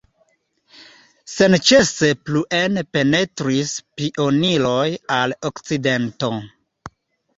Senĉese pluen penetris pioniroj al okcidento.